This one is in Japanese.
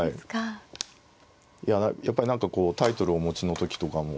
いややっぱり何かこうタイトルをお持ちの時とかも。